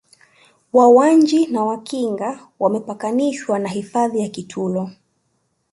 Wawanji na Wakinga wamepakanishwa na hifadhi ya Kitulo